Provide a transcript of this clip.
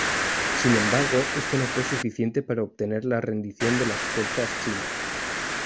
Sin embargo, esto no fue suficiente para obtener la rendición de las fuerzas chinas.